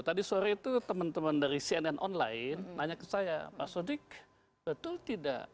tadi sore itu teman teman dari cnn online nanya ke saya pak sodik betul tidak